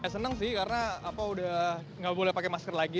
senang sih karena apa udah nggak boleh pakai masker lagi